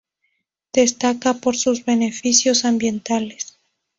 Destaca por sus beneficios ambientales.